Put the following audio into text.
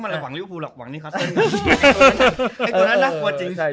ไอ้ตัวนั้นน่ะหัวจริง